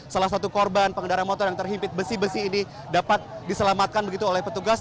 salah satu korban pengendara motor yang terhimpit besi besi ini dapat diselamatkan begitu oleh petugas